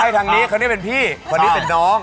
ให้ทางนี้เค้านี่เป็นพี่เค้านี่เป็นน้อง